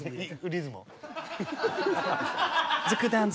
リズムを。